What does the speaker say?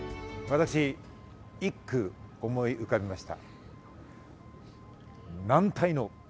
私、一句思い浮かびました。